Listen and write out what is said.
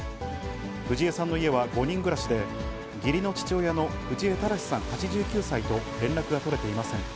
藤江さんの家は５人暮らしで、義理の父親の藤江正さん８９歳と連絡が取れていません。